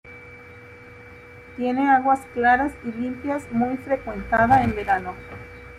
Tiene aguas claras y limpias muy frecuentada en verano.